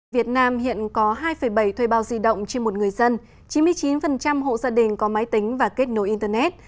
việt nam hiện có hai bảy thuê bao di động trên một người dân chín mươi chín hộ gia đình có máy tính và kết nối internet